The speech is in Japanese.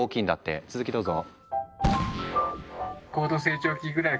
続きどうぞ。